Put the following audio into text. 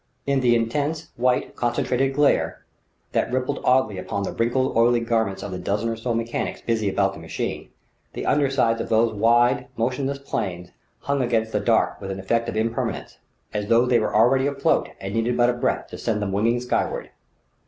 In the intense, white, concentrated glare that rippled oddly upon the wrinkled, oily garments of the dozen or so mechanics busy about the machine the under sides of those wide, motionless planes hung against the dark with an effect of impermanence: as though they were already afloat and needed but a breath to send them winging skyward....